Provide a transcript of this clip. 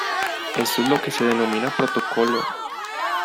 Esto es lo que se denomina "protocolo".